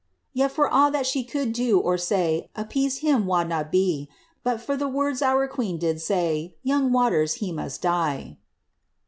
Yet for a' that she could do or say, Appeased he wad na be. But for the words our queen did say, Young Waters he must die!